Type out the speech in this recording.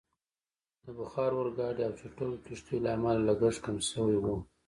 د بخار اورګاډي او چټکو کښتیو له امله لګښت کم شوی وو.